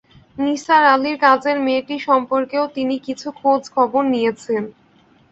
নিসার আলির কাজের মেয়েটি সম্পর্কেও তিনি কিছু খোঁজ খবর নিয়েছেন।